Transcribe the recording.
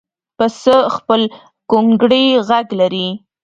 پسه خپل ګونګړی غږ لري.